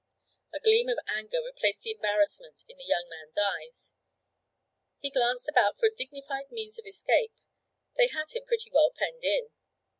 A gleam of anger replaced the embarrassment in the young man's eyes. He glanced about for a dignified means of escape; they had him pretty well penned in.